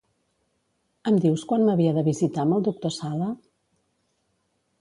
Em dius quan m'havia de visitar amb el doctor Sala?